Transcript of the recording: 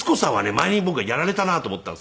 前に僕はやられたなと思ったんですよ。